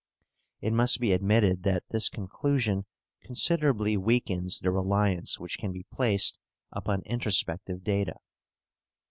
It must be admitted that this conclusion considerably weakens the reliance which can be placed upon introspective data.